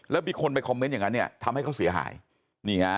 แล้วมีคนไปคอมเมนต์อย่างนั้นทำให้เขาเสียหาย